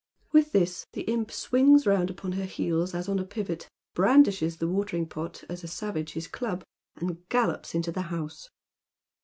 With this the imp swings round upon her heels as on a pivot, brandishes the watering pot a» an Indian savage his club, and gallops into the house.